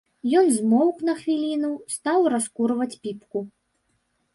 Ён змоўк на хвіліну, стаў раскурваць піпку.